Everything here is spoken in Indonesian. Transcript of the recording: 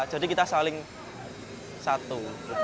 jadi kita saling satu